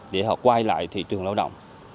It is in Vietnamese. để họ quay lại thị trường lao động